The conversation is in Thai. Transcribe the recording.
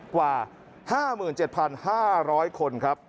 กว่า๕๗๕๐๐คนครับ